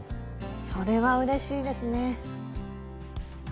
それはうれしいですね。